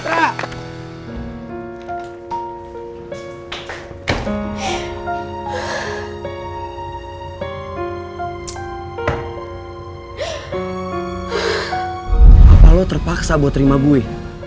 apa lo terpaksa buat terima bueh